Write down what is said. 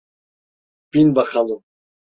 Bin bakalım.